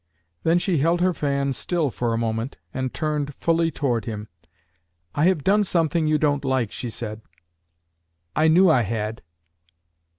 Then she held her fan still for a moment, and turned fully toward him. "I have done something you don't like," she said. "I knew I had."